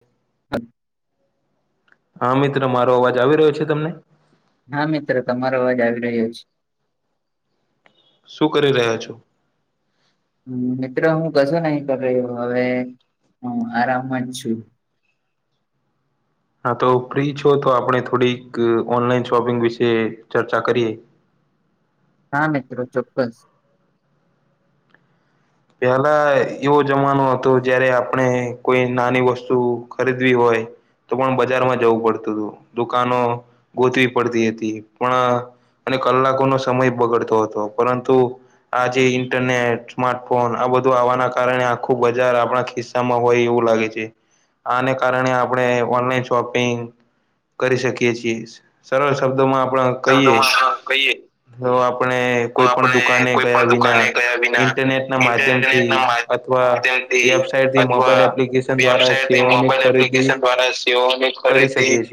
હ હ. હા મિત્ર મારો અવાજ આવી રહ્યો છે તમને? હા મિત્ર તમારો અવાજ આવી રહ્યો છે. શું કરી રહ્યા છો? મિત્ર હું કશું નહી કરી રહ્યો હવે હું આરામમાં જ છું. હા તો ફ્રી છો તો આપણે થોડીક અહ ઓનલાઈન શોપિંગ વિશે ચર્ચા કરીએ. હા મિત્ર ચોક્કસ. પેલા એવો જમાનો હતો જયારે આપણે કોઈ નાની વસ્તુ ખરીદવી હોય. તો પણ બજારમાં જવું પડતું હતું દુકાનો ગોતવી પડતી હતી પણ અહ અને કલાકોનો સમય બગડતો હતો પરંતુ આ જે ઇન્ટરનેટમાર્ટ ફોન આ બધું આવવાના કારણે આખું બજાર આપણા ખિસ્સામાં હોય એવું લાગે છે. આને કારણે આપણે ઓનલાઈન શોપિંગ કરી શકીએ છીએ સરળ શબ્દોમાં આપડા શબ્દો માં આપડા કહીએ આપણે તો કોઈ પણ આપણે દુકાને કોઈ ગયા પણ વિના દુકાને ગયા વિના ઇન્ટરનેટના ઇન્ટરનેટ માધ્યમથી ના અથવા માધ્યમથી વેબસાઇટથી અથવા મોબાઈલ એપ્લિકેશન દ્વારા વેબસાયટથી સેવાઓની મોબાઈલ ખરીદી એપ્લિકેશન દ્વારા સેવાઓની કરી ખરીદી શકીએ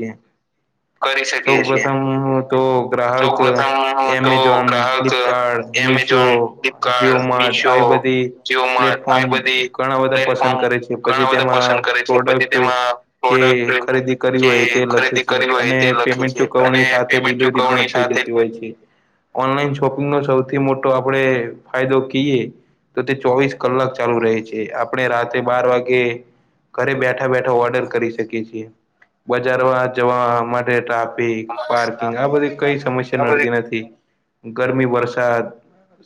કરી શકીએ છીએ. હમ્મ હો તો ગ્રાહક સૌ પ્રથમ તો એમેઝોન ગ્રાહક ફ્લિપકાર્ટ મીશો એમેઝોન ફ્લિપકાર્ટ જીઓમાર્ટ આવી મીશો બધી જીઓ માર્ટ પ્લેટફોર્મ આવી બધી ઘણા બધા પસંદ પ્લેટફોર્મ કરે છે પછી ઘણા બધા તેમાં પસંદ કરે છે પછી તેમાં પ્રોડક્ટ જે પ્રોડક્ટ ખરીદી કરી જે હોય તે લખે ખરીદી છે કરી હોય અને તે લખે પેમેન્ટ છે અને ચુકવણી સાથ તે પેમેન્ટ ડિલિવરી પણ ચુકવણી થઈ સાથે જતી હોય. એ છે ઓનલાઇન શપિંગ નો સૌથી મોટો આપણે ફાયદો કિયે તો તે ચોવીસ કલાક ચાલુ રહે છે આપણે રાત્રે બાર વાગે ઘરે બેઠા બેઠા ઓર્ડર કરી શકીએ છીએ બજારમાં જવા માટે ટ્રા ટેબપાર્કિંગ આ બધી કઈ સમસ્યા નડતી નથી ગરમી વરસાદ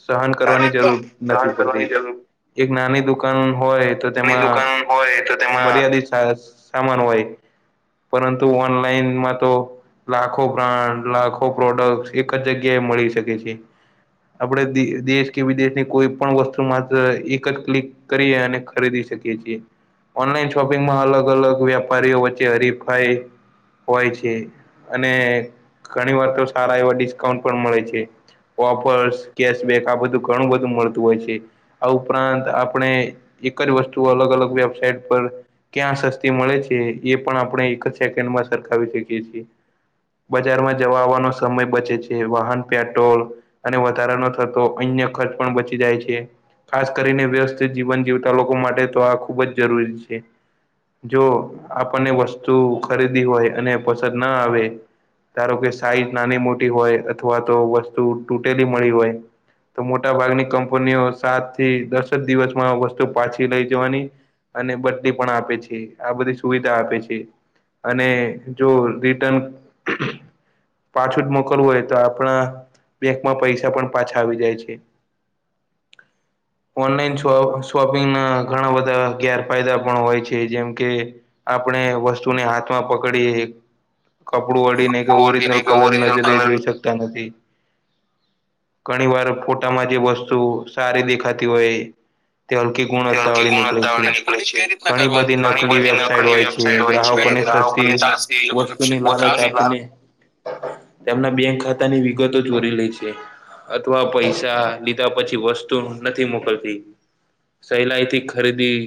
સહન કરવાની જરૂર સહન નથી પડતી કરવાની જરૂર એક નાની દુકાન હોય તો ની તેમાં દુકાન હોય તો તેમાં મર્યાદિત સ-સામાન હોય પરંતુ ઓનલાઈનમાં તો લાખો બ્રાન્ડ લાખો પ્રોડક્ટ્સ એક જ જગ્યા મળી શકે છે. આપડે દે-દેશ કે વિદેશની કોઈ પણ વસ્તુ માત્ર એક જ ક્લિક કરીએ અને ખરીદી શકીએ છીએ. ઓનલાઈન શોપિંગમાં અલગ અલગ વ્યાપારીઓ વચ્ચે હરીફાઈ હોય છે અને ઘણી વાર તો સારા એવા ડિસ્કાઉન્ટ પણ મળે છે. ઓફર્સ કેશબેક આ બધું ઘણું બધું મળ તું હોય છે આ ઉપરાંત આપણે એક જ વસ્તુ અલગ અલગ વેબસાઇટ પર ક્યાં સસ્તી મળે છે એ પણ આપણે એક જ સેકન્ડમાં સરખાવી શકીએ છીએ. બજારમાં જવા આવવાનો સમય બચે છે વાહન પેટ્રોલ અને વધારા નો થતો અન્ય ખર્ચ પણ બચ જાય છે ખાસ કરીને વ્યવસ્થિત જીવન જીવતા લોકો માટે તો આ ખુબ જ જરૂરી છે. જો આપણને વસ્તુ ખરીદી હોય અને પસંદ ના આવે ધારો કે સાઈઝ નાની મોટી હોય અથવા તો વસ્તુ તૂટેલી મળી હોય તો મોટા ભાગની કંપનીઓ સાત થી દસ જ દિવસમાં વસ્તુ પાછી લઈ જવાની અને બદલી પણ આપે છે આ બધી સુવિધા આપે છે. અને જો રિટૅન પાછું જ મોકલવું હોય તો આપણા બેંકમાં પૈસા પણ પાછા આવી જાય છે. [inaudible] ઓનલાઈન શો શોપિંગના ઘણા બધા ગેરફાયદા પણ હોય છે જેમ કે આપણે વસ્તુને હાથમાં પકડી કપડું અડીને કે કપડું ઓરિજનલ ઓળીને કે કલર ઓરિજિનલ નજરે કલર જોઈ શક શકતા નથી ઘણી વાર ફોટામાં જે વસ્તુ તુ સારી દેખાતી હોય તે હલકી તે ગુણવત્તા હલકી વાળી નીકળે છે ગુણવત્તાવાળી નીકળે છે એ ઘણી બધી ઘણી નકલી બધી વેબસાઇટ નકલી હોય છે વેબસાઇટ હોય છે ગ્રાહકોને સસ્તી ગ્રાહકોને સાચી વસ્તુની લાલચ આપીને તેમના બેંક ખાતાની વિગતો ચોરી લે છે અથવા પૈસા તા પછી વસ્તુ નથી મોકલતી સહેલાઈ થી ખરીદી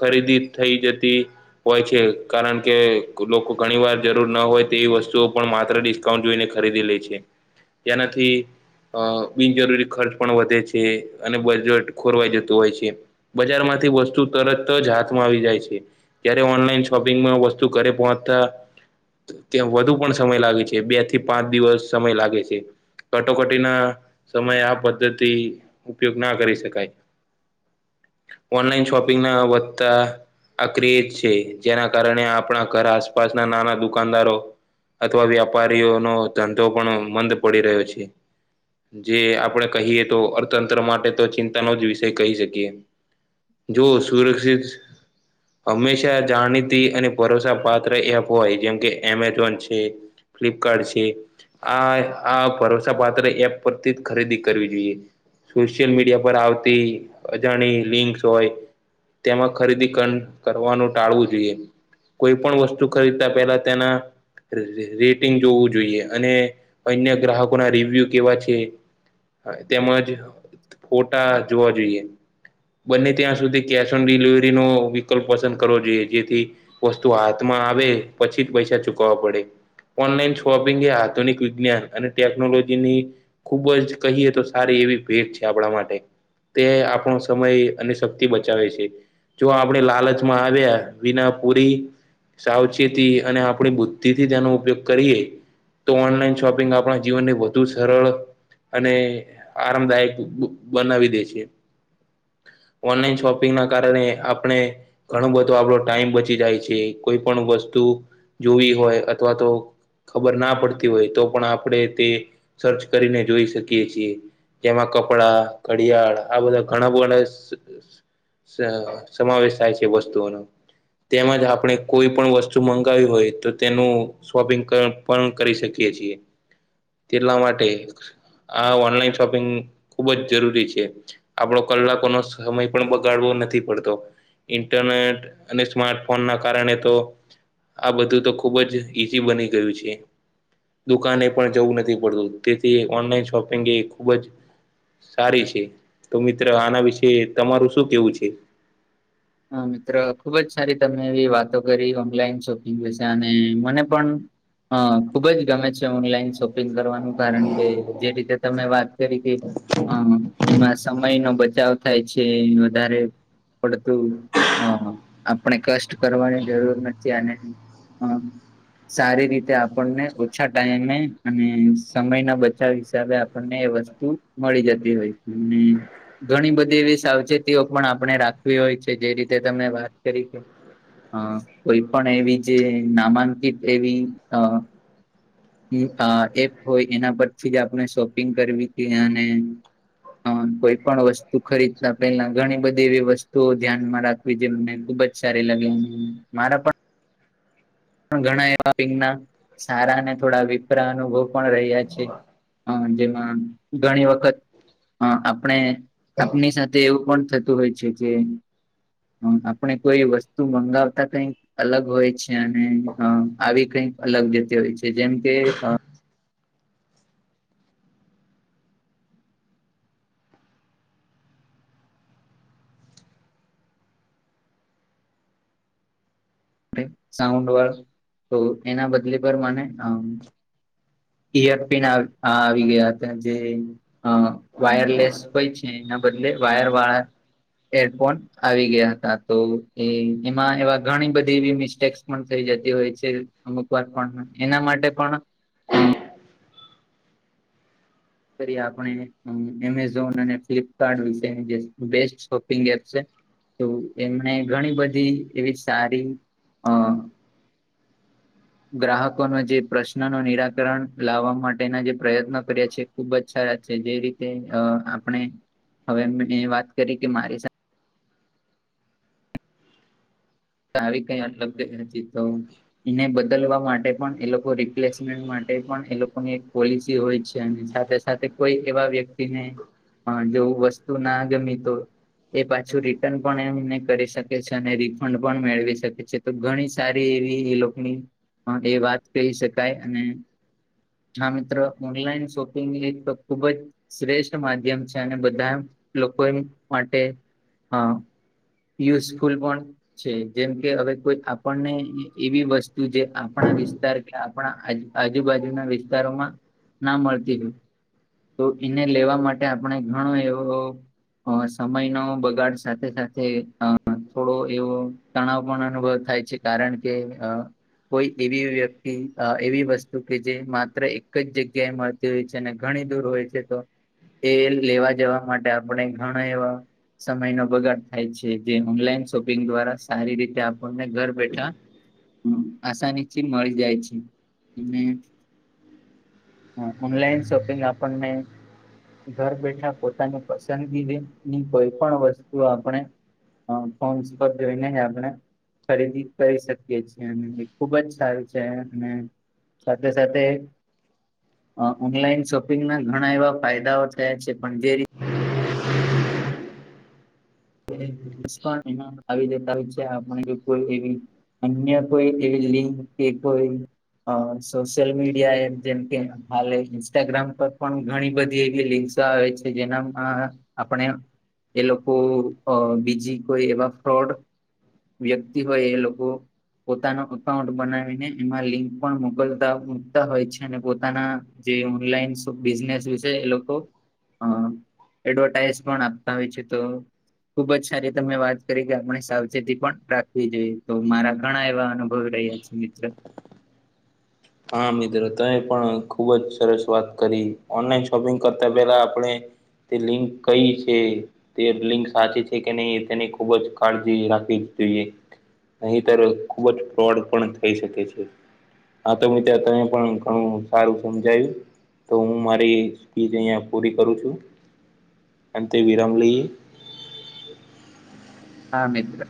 ખરીદી થઈ જતી હોય છે કારણ કે લોકો ઘણી વાર જરૂર ન હોય તેવી વસ્તુઓ પણ માત્ર ડિસ્કાઉન્ટ જોઈને ખરીદી લે છે તેનાથી અ બિનજરૂરી ખર્ચ પણ વધે છે અને બજેટ ખોરવાઈ જતું હોય છે. બજારમાંથી વસ્તુ તરત જ હાથમાં આવી જાય છે. જયારે ઓનલાઈન શોપિંગમાં વસ્તુ ઘરે પહોંચતા ત્યાં વધુ પણ સમય લાગે છે બે થી પાંચ દિવસ સમય લાગે છે. કટોકટીના સમયે આ પદ્ધતિ ઉપયોગ ના કરી શકાય ઓનલાઈન શોપિંગ ના વધતા આક્રયિત છે જેના કારણે આપણા ઘર આસપાસના નાના દુકાનદારો અથવા વ્યાપારીઓનો ધંધો પણ મંદ પડી રહ્યો છે. જે આપણે કહીએ તો અર્થતંત્ર માટે તો ચિંતાનો જ વિષય કહી શકીએ જો સુરક્ષિત હંમેશા જાણીતી અને ભરોસા પાત્ર એપ હોય જેમકે એમેઝોન છે ફ્લિપકાર્ટ છે આ આ ભરોસા પાત્ર એપ પરથી જ ખરીદી કરવી જોઈએ સોશિયલ મીડિયા પર આવતી અજાણી લિંકસ હોય તેમાં ખરીદી કળ કરવાનું ટાળવું જોઈએ. કોઈ પણ વસ્તુ ખરીદતા પેલા તેના રી રી રિટિંગ જોવું જોઈએ અને અન્ય ગ્રાહકો ના રિવ્યુ કેવા છે હ તેમજ ફોટા જોવા જોઈએ. બંને ત્યાં સુધી કેશ ઓન ડિલિવરીનો વિકલ્પ પસંદ કરવો જોઈએ જેથી વસ્તુ હાથમાં આવે પછી જ પૈસા ચુકવવા પડે. ઓનલાઈન શોપિંગ એ આધુનિક વિજ્ઞાન અને ટેકનોલોજી ની ખૂબ જ કહીએ તો સારી એવી ભેટ છે આપણા માટે તે આપણો સમય અને શક્તિ બચાવે છે. જો આપણે લાલચમાં આવ્યા બિના પૂરી સાવચેતી અને આપણી બુદ્ધિથી તેનો ઉપયોગ કરીએ. તો ઓનલાઈન શોપિંગ આપણા જીવનને વધુ સરળ અને આરામદાયક બનાવી દે છે. ઓનલાઈન શોપિંગ ના કારણે આપડે ઘણો બધો આપણો ટાઈમ બચી જાય છે કોઈ પણ વસ્તુ જોવી હોય અથવા તો ખબર ના પડતી હોય તો પણ આપણેે તે સર્ચ કરીને જોઈ શકીએ છીએ જેમાં કપડા ઘડિયાળ આ બધા ઘણા બધા સમાવેશ થાય છે વસ્તુઓનો તેમજ આપણે કોઈ પણ વસ્તુ મંગાવી હોય તો તેનું શોપિંગ પણ કરી શકીએ છીએ તેટલા માટે આ ઓનલાઈન શોપિંગ ખુબ જ જરૂરી છે આપડો કલાકો નો સમય પણ બગાડવો નથી પડતો ઇન્ટરનેટ અને સ્માર્ટફોન ના કારણે તો તો બધુ તો ખૂબ જ ઈઝી બની ગયું છે દુકાને એ પણ જવું નથી પડતું તેથી ઓનલાઈન શોપિંગ એ ખૂબ જ સારી છે તો મિત્ર આના વિશે તમારું શું કેવું છે હ મિત્રો ખુબ જ સારી તમે એવી વાતો કરી ઓનલાઈન શોપિંગ વિશે અને મને પણ હા ખુબ જ ગમે છે ઓનલાઇન શોપ શોપિંગ કરવાનું કારણ કે જે રીતે તમે કરી કે એમાં સમય નો બચાવ થાય છે એ વધારે હ પડતું આપણે કષ્ટ કરવાની જરૂર નથી અને સારી રીતે આપણને ઓછા ટાઈમે અને સમય ના બચાવ હિસાબે તમને એ વસ્તુ મળી જતી હોય છે ઘણી બધી એવી સાવચેતીઓ પણ આપણે રાખવી હોય છે જે રીતે તમે વાત કરી કે અ કોઈ પણ એવી જે નામાંકિત એવી અ હ આ એપ હોય એના પરથી જ આપણે શોપિંગ કરવી છે અને હ કોઈ પણ વસ્તુ ખરીદતા પેલા ઘણી બધી એવી વસ્તુઓ ધ્યાનમાં રાખ જે મને ખુબ જ સારી લાગી મારા પણ પણ ઘણા એવા વિંગના સારા ને થોડા વિપરા અનુભવ પણ રહ્યા છે હ જેમાં ઘણી વખત હા આપણે આપની સાથે એવું પણ થતું હોય છે કે હ આપણે કોઈ વસ્તુ મંગાવતા કઈક અલગ હોય છેમ અને આવી કઈક અલગ જતી હોય છે જેમ કે સાઉન્ડ વાળ તો એના બદલે પર મને ઈયરપિન આ-આવી ગયા હતા જે અ વાયરલેસ હોય છે એના બદલે વાયર વાળા હેડફોન આવી ગયા હતા તો એ એમાં એવા ઘણી બધી એવી મિસ્ટેક પણ થઈ જતી હોય છે અમુક વાર પણ એના માટે પણ કરી આપણે અને એમેઝોન અને ફ્લિપકાર્ડ વિશેની જે બેસ્ટ શોપિંગ એપ છે તો એમને ઘણી બધી એવી સારી અ હ [inaudible] ગ્રાહકોનો જે પ્રશ્ન નો નિરાકરણ લાવવા માટેના જે પ્રયત્નો કર્યા છે ખુબ જ સારા છે જે રીતે આપણે હવે મે વાત કરી કે મારી સાથે સારી કઈ [unintelligible] નથી તો એને બદલવા માટે પણ એ લોકો રિપ્લેસમેન્ટ માટે પણ એ લોકોની એક પોલિસી હોય છે અને સાથે સાથે કોઈ એવા વ્યક્તિને જો વસ્તુ ના ગમી તો એ પાછું રિટર્ન પણ એને કરી શકે છે અને રિફંડ પણ મેળવી શકે છે તો ઘણી સારી એવી એ લોકોની એ વાત કહી શકાય અને હા મિત્ર ઓનલાઈન શોપિંગ એક તો ખૂબ જ શ્રેષ્ઠ માધ્યમ છે અને બધા લોકો માટે અ યુઝફુલ પણ છે જેમ કે હવે કોઈ આપણને એવી વસ્તુ જે આપણા વિસ્તાર આપણા આજુબાજુના વિસ્તારોમાં ના મળતી હોય. તો એને લેવા માટે આપણે ઘણો એવો અ સમયનો બગાડ સાથે સાથે અ થોડો એવો તણાવ પણ અનુભવ છે કારણ કે કોઈ એવી વ્યક્તિ એવી વસ્તુ કે જે માત્ર એક જ જગ્યાએ મળ તી હોય છે અને ઘણી દૂર હોય છે તો એ લેવા જવા માટે આપણે ઘણા એવા સમયનો બગાડ થાય છે જે ઓનલાઈન શોપિંગ દ્વારા સારી રીતે આપણને ઘર બેઠા હ આસાનીથી મળી જાય છે અને અ ઓનલાઈન શોપિંગ આપણને ઘર બેઠા પોતાની પસંદગીની કોઈ પણ વસ્તુ આપણે હા કોન [unintelligible] આપણે ખરીદી કરી શકીએ છીએ અને એ ખુબ જ સારી છે અને સાથે સાથે અ ઓનલાઈન શોપિંગમાં ઘણા એવા ફાયદાઓ થયા છે પણ જે રી તે [unintelligible] આવી જતા હોય છે આપ જો કોઈ એવી અન્ય કોઈ એવી લિંક કે કોઈ અ સોશિયલ મીડિયા એપ જેમ કે હાલે ઇન્સ્ટાગ્રામ પર પણ ઘણી બધી એવી લિંક્સો આવે છે જેનામાં આપણે એ લોકો અ બીજી કોઈ એવા ફ્રોડ વ્યક્તિ હોય એ લોકો પોતાનો અકાઉન્ટ બનાવીને એમાં લિંક પણ મોકલતા મુકતા હોય છે અને પોતાના જે ઓનલાઈન બિઝનેસ વિશે એ લોકો હ એડવર્ટાઈઝ પણ આપતા હોય છે તો ખુબ જ સારી તમે વાત કરી કે આપણે સાવચેતી પણ રાખવી જોઈએ તો મારા ઘણા એવા અનુ ભવ રહીયા છે મિત્ર. હા મિત્રો તમે પણ ખુબ જ સરસ વાત કરી ઓનલાઈન શોપિંગ કરતા પહેલા આપણે તે લિંક કઈ છે. તે લિંક સાચી છે કે નહીં તેની ખુબ જ કાળજી રાખવી જ જોઈએ. નહીતર ખુબ જ ફ્રોડ પણ થઈ શકે છે. હા તો મિત્ર તને પણ ઘણું સારું સમજાયું. તો હું મારી સ્પીચ અહયા પૂરી કરું છું, અંતે વિરામ લઈએ. હા મિત્ર.